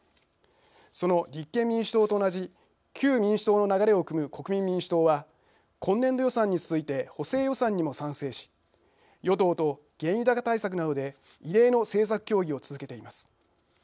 その立憲民主党と同じ旧民主党の流れをくむ国民民主党は今年度予算に続いて補正予算にも賛成し与党と原油高対策などで異例の政策協議を続けています。